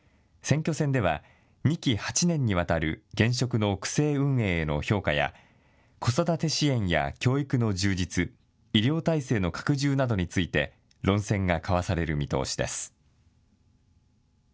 選挙戦では２期８年にわたる現職の区政運営への評価や子育て支援や教育の充実、医療体制の拡充などについて論戦が交わされる見通しです。